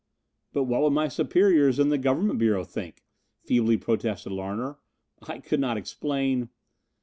"But what would my superiors in the Government Bureau think?" feebly protested Larner, "I could not explain...."